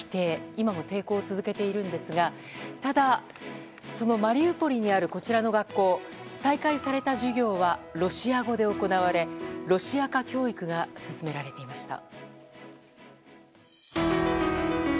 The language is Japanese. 今も抵抗を続けているんですがただ、そのマリウポリにあるこちらの学校再開された授業はロシア語で行われロシア化教育が進められていました。